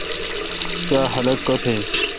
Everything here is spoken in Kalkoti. سوا خلق کوتھ این۔